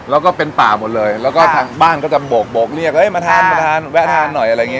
แล้วก็เป็นป่าหมดเลยแล้วก็ทางบ้านก็จะโบกเรียกมาทานมาทานแวะทานหน่อยอะไรอย่างนี้